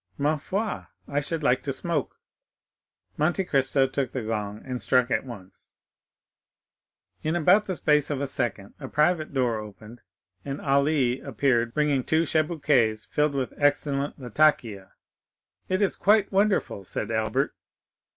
"Ma foi, I should like to smoke." Monte Cristo took the gong and struck it once. In about the space of a second a private door opened, and Ali appeared, bringing two chibouques filled with excellent latakia. "It is quite wonderful," said Albert.